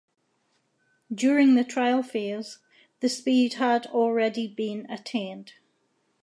During the trial phase, the speed had already been attained.